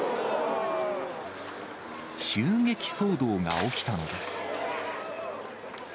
襲撃騒動が起きたのです。